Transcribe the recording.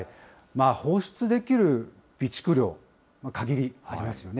放出できる備蓄量、限り、ありますよね。